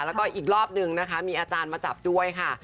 แล้วก็อีกรอบนึงนะคะมีอาจารย์มาจับด้วยค่ะ